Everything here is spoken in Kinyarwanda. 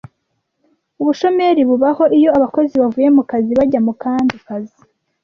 Ubushomeri bubaho iyo abakozi bavuye mu kazi bajya mu kandi kazi